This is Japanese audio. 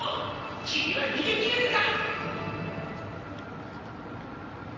君は逃げ切れるか！？